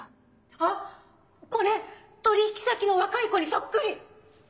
あっこれ取引先の若い子にそっくり！